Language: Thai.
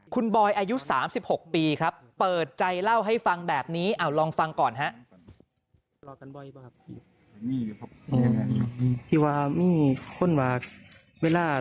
คุณบอยอายุ๓๖ปีครับเปิดใจเล่าให้ฟังแบบนี้ลองฟังก่อนฮะ